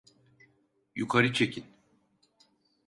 Yukarı çekin!